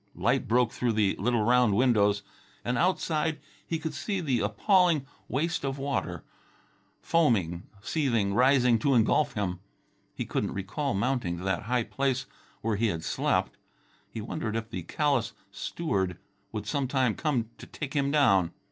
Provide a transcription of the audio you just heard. Light broke through the little round windows, and outside he could see the appalling waste of water, foaming, seething, rising to engulf him. He couldn't recall mounting to that high place where he had slept. He wondered if the callous steward would sometime come to take him down.